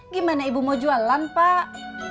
gimana ibu mau jualan pak